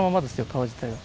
川自体は。